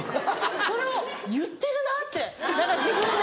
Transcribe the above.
それを言ってるなって自分で。